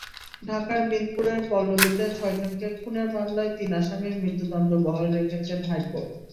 ঢাকার মিরপুরের পল্লবীতে ছয়জনকে খুনের মামলায় তিন আসামির মৃত্যুদণ্ড বহাল রেখেছেন হাইকোর্ট।